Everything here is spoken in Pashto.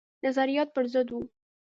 نظریات پر ضد وه.